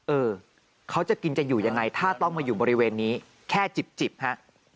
เออเขาจะกินจะอยู่ยังไงถ้าต้องมาอยู่บริเวณนี้แค่จิบฮะ